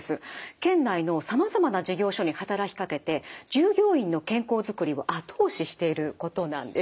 県内のさまざまな事業所に働きかけて従業員の健康づくりを後押ししていることなんです。